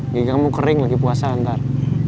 kamu kering lagi puasa ntar